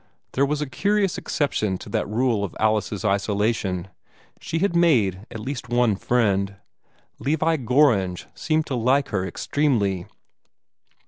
There was a curious exception to that rule of Alice's isolation. She had made at least one friend. Levi Gorringe seemed to like her extremely.